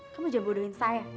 kamu jangan bodohin saya